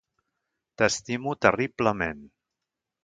T'estimo terriblement.